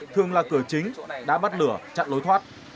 thường là cửa chính đá bắt lửa chặn lối thoát